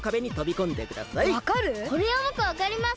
これはぼくわかります！